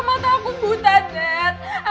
mata aku buta dad